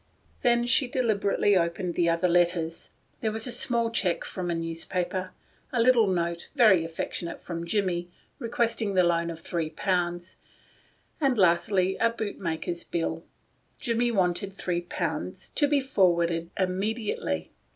Then she deliberately opened the other letters. There was a small check from the editor of The Fan ; a little note — very aff ec tionate from Jimmie, requesting the loan of three pounds ; and lastly, a bootmaker's bill. Jimmie wanted three pounds to be forwarded immediately.